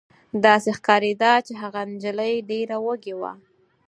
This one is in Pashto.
داسې ښکارېده چې هغه نجلۍ ډېره وږې وه